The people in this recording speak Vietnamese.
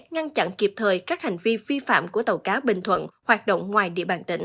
ngăn chặn kịp thời các hành vi phi phạm của tàu cá bình thuận hoạt động ngoài địa bàn tỉnh